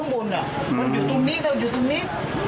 บนมันอยู่ตรงนี้เราอยู่ตรงนี้